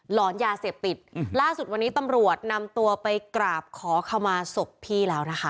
หอนยาเสพติดล่าสุดวันนี้ตำรวจนำตัวไปกราบขอขมาศพพี่แล้วนะคะ